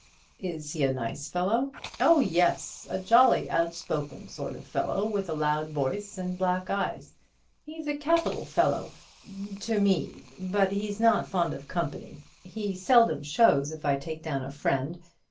"Is he a nice fellow?" "Oh yes; a jolly, out spoken sort of a fellow, with a loud voice and black eyes. He's a capital fellow to me, but he's not fond of company. He seldom shows if I take down a friend.